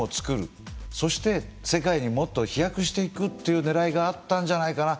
そして世界にもっと飛躍していくというねらいがあったんじゃないかな。